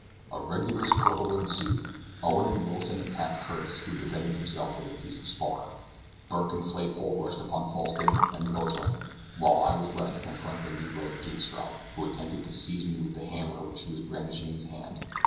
A regular struggle ensued. Owen and Wilson attacked Curtis, who defended himself with a piece of spar; Burke and Flaypole rushed upon Falsten and the boatswain, while I was left to confront the negro Jynxstrop, who attempted to strike me with the hammer which he brandished in his hand.